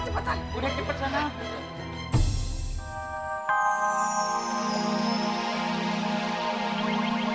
cepetan masih bisa nyupir masih